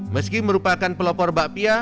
meski merupakan pelopor bakpia